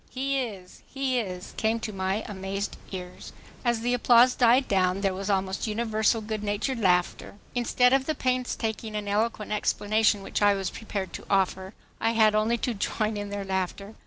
He is, he is!" came to my amazed ears. As the applause died down there was almost universal good natured laughter. Instead of the painstaking and eloquent explanation which I was prepared to offer, I had only to join in their laughter.